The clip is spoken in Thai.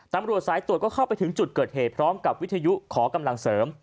ตำรวจสายตรวจก็เข้าไปถึงจุดเกิดเหตุพร้อมกับวิทยุขอกำลังเสริม